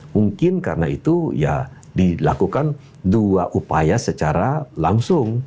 mungkin karena itu ya dilakukan dua upaya secara langsung